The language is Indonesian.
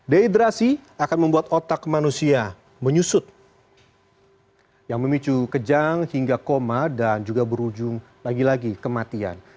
dehidrasi akan membuat otak manusia menyusut yang memicu kejang hingga koma dan juga berujung lagi lagi kematian